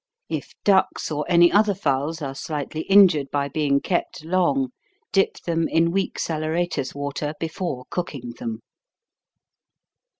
If ducks or any other fowls are slightly injured by being kept long, dip them in weak saleratus water before cooking them.